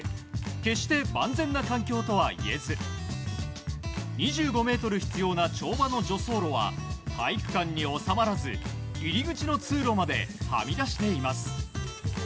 決して万全な環境とは言えず２５ｍ必要な跳馬の助走路は体育館に収まらず入り口の通路まではみ出しています。